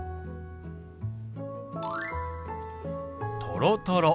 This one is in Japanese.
「とろとろ」。